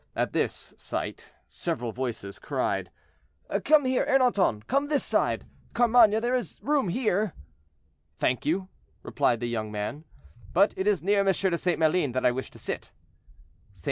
At this sight, several voices cried, "Come here, Ernanton; come this side, Carmainges; there is room here." "Thank you," replied the young man; "but it is near M. de St. Maline that I wish to sit." St.